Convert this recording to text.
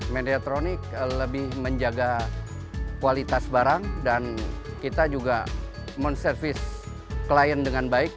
mediatronics lebih menjaga kualitas barang dan kita juga men service klien dengan baik